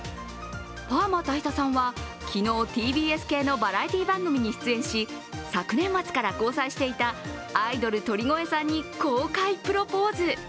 パーマ大佐さんは、昨日ＴＢＳ系のバラエティー番組に出演し昨年末から交際していたアイドル鳥越さんに公開プロポーズ。